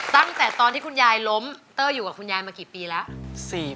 ตั้งแต่ตอนที่คุณยายล้มเต้ออยู่กับคุณยายมากี่ปีแล้ว